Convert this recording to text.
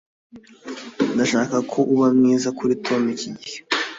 ndashaka ko uba mwiza kuri tom iki gihe